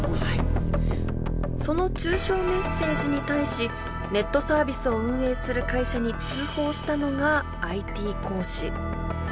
その中傷メッセージに対しネットサービスを運営する会社に通報したのがＩＴ講師。